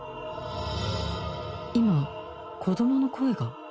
今子供の声が？